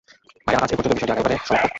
ভায়া, আজ এই পর্যন্ত, বিষয়টা আগামীবারে সমাপ্য।